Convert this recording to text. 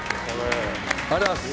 ありがとうございます。